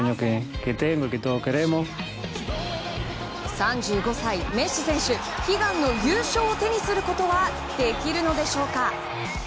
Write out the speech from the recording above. ３５歳、メッシ選手悲願の優勝を手にすることはできるのでしょうか？